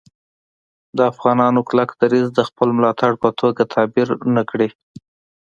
د افغانانو کلک دریځ د خپل ملاتړ په توګه تعبیر نه کړي